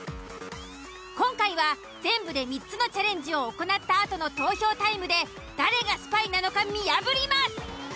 今回は全部で３つのチャレンジを行ったあとの投票タイムで誰がスパイなのか見破ります。